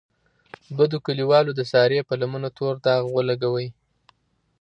بدو کلیوالو د سارې په لمنه تور داغ ولګولو.